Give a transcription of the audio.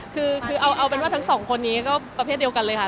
คือเอาเป็นว่าทั้งสองคนนี้ก็ประเภทเดียวกันเลยค่ะ